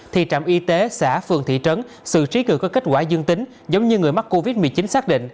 thì trạm y tế xã phường thị trấn xử trí được các kết quả dương tính giống như người mắc covid một mươi chín xác định